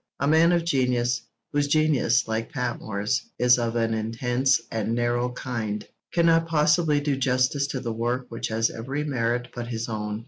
A man of genius, whose genius, like Patmore's, is of an intense and narrow kind, cannot possibly do justice to the work which has every merit but his own.